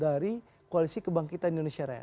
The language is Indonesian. dari koalisi kebangkitan indonesia raya